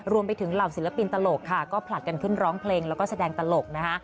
เหล่าศิลปินตลกค่ะก็ผลัดกันขึ้นร้องเพลงแล้วก็แสดงตลกนะคะ